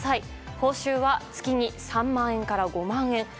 報酬は月に３万円から５万円ほど。